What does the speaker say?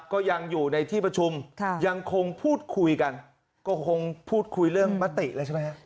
ก็ยังอยู่ในที่ประชุมยังคงพูดคุยกันก็คงพูดคุยเรื่องมติเลยใช่ไหมฮะ